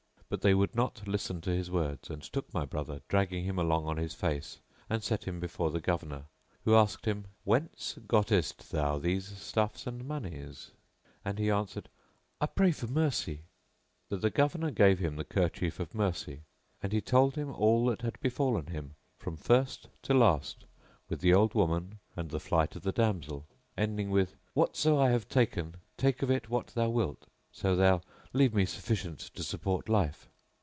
But they would not listen to his words and took my brother, dragging him along on his face, and set him before the Governor who asked him, "Whence gottest thou these stuffs and monies?"; and he answered, "I pray for mercy!" So the Governor gave him the kerchief of mercy;[FN#681] and he told him all that had befallen him from first to last with the old woman and the flight of the damsel; ending with, "Whatso I have taken, take of it what thou wilt, so thou leave me sufficient to support life."